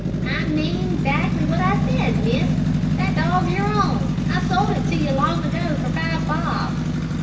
"I mean 'xactly what I says, miss. The dog's your own: I sold it to you long ago for five bob!"